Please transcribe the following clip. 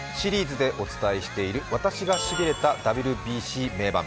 シリーズでお伝えしている私がしびれたＷＢＣ名場面。